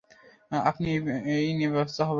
আপনি এই নিয়ে ব্যস্ত হবেন না।